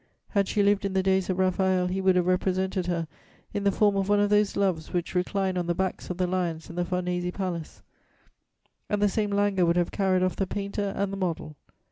Had she lived in the days of Raphael, he would have represented her in the form of one of those Loves which recline on the backs of the lions in the Farnese Palace, and the same languor would have carried off the painter and the model.